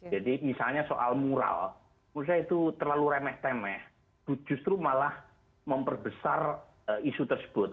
jadi misalnya soal mural menurut saya itu terlalu remeh temeh justru malah memperbesar isu tersebut